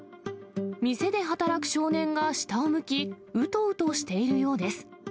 店で働く少年が下を向き、うとうとしているようです。